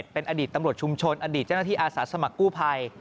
เป็นอดีตตำรวจชุมชนอดีตเจ้าหน้าที่อาสาสมัครกู้ภัย